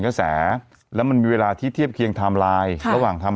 กระแสแล้วมันมีเวลาที่เทียบเคียงไทม์ไลน์ระหว่างทำ